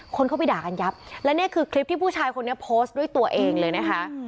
คนเข้าไปด่ากันยับและนี่คือคลิปที่ผู้ชายคนนี้โพสต์ด้วยตัวเองเลยนะคะ